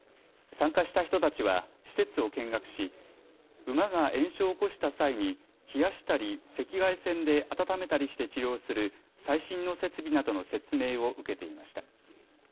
参加した人たちは施設を見学し馬が炎症を起こした際に冷やしたり赤外線で温めたりして治療する最新の設備などの説明を受けていました。